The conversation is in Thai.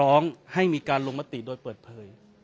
ร้องให้มีการลงมติโดยเปิดเผย